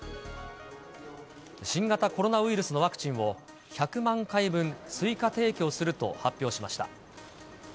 新型コロナウイルスのワクチンを、１００万回分追加提供すると発表しました。